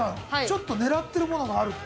ちょっと狙ってるものがあるって。